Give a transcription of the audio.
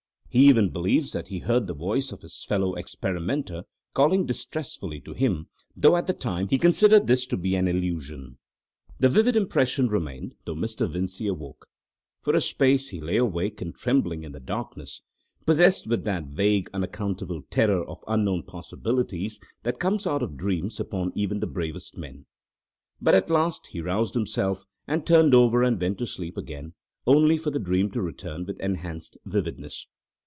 He even believes that he heard the voice of his fellow experimenter calling distressfully to him, though at the time he considered this to be an illusion. The vivid impression remained though Mr. Vincey awoke. For a space he lay awake and trembling in the darkness, possessed with that vague, unaccountable terror of unknown possibilities that comes out of dreams upon even the bravest men. But at last he roused himself, and turned over and went to sleep again, only for the dream to return with enhanced vividness.